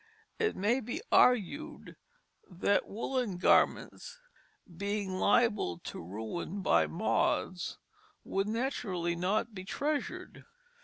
It may be argued that woollen garments, being liable to ruin by moths, would naturally not be treasured.